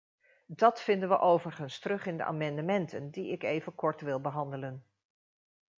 Dat vinden we overigens terug in de amendementen, die ik even kort wil behandelen.